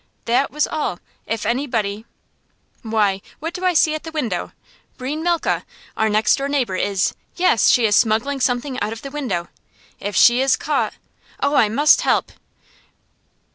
That was all. If anybody Why, what do I see at the window? Breine Malke, our next door neighbor, is yes, she is smuggling something out of the window! If she is caught ! Oh, I must help!